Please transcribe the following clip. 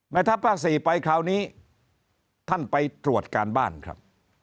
เมื่อท่าพระศรีไปคราวนี้ท่านไปตรวจการบ้านครับ